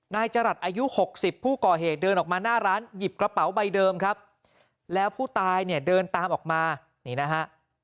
นายจรัสอายุ๖๐ผู้ก่อเหตุเดินออกมาหน้าร้านหยิบกระเป๋าใบเดิมครับแล้วผู้ตายเนี่ยเดินตามออกมานี่นะฮะ